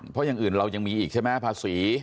เพราะอย่างอื่นเรายังมีอีกใช่ไหมภาษี